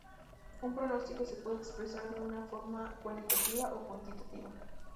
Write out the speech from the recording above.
Un pronóstico se puede expresar de una forma cualitativa o cuantitativa.